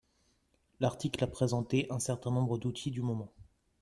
L'article a présenté un certain nombres d'outils du moment